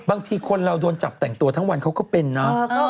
บางทีคนเราโดนจับแต่งตัวทั้งวันเขาก็เป็นเนอะ